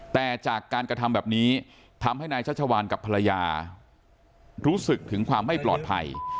แต่จากการกระทำแบบนี้ทำให้นายชัชวานกับภรรยารู้สึกถึงความไม่ปลอดภัย